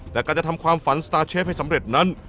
แต่การจะทำความฝันสตาร์เชฟให้สำเร็จนั้น